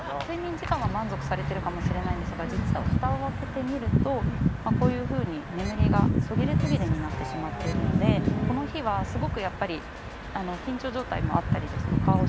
睡眠時間は満足されてるかもしれないんですが実はふたを開けてみるとこういう風に眠りが途切れ途切れになってしまっているのでこの日はすごくやっぱり緊張状態もあったりですとか